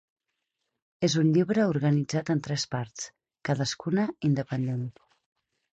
És un llibre organitzat en tres parts, cadascuna independent.